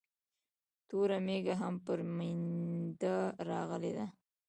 توره مېږه هم پر مينده راغلې ده